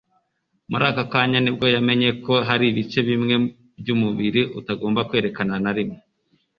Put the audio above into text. Muri ako kanya nibwo yamenye ko hari ibice bimwe byumubiri utagomba kwerekana na rimwe.